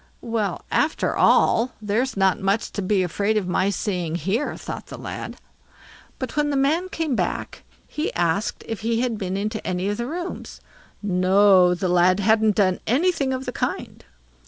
Well, after all, there's not much to be afraid of my seeing here, thought the lad. But when the man came back, he asked if he had been into any of the rooms. No, the lad hadn't done anything of the kind.